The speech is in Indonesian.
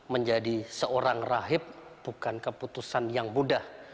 menjadi seorang rahib bukan keputusan yang mudah